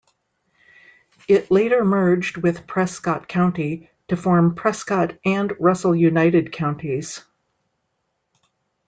It later merged with Prescott County to form Prescott and Russell United Counties.